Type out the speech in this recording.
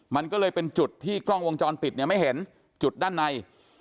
มันก็เลยเป็นจุดที่กล้องวงจรปิดเนี่ยไม่เห็นจุดด้านใน